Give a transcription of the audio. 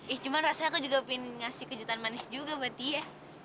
is cuman rasanya aku juga pengen ngasih kejutan manis juga buat dia